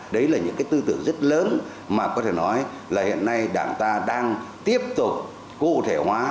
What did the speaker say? đấy là những cái tư tưởng rất lớn mà có thể nói là hiện nay đảng ta đang tiếp tục cụ thể hóa